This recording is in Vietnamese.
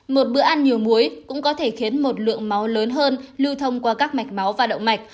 một bữa ăn nhiều muối cũng có thể khiến một lượng máu lớn hơn lưu thông qua các mạch máu và động mạch